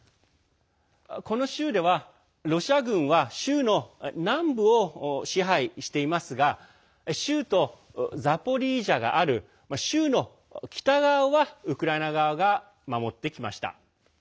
この州では、ロシア軍は州の南部を支配していますが州都ザポリージャがある州の北側はウクライナ側が守ってきました。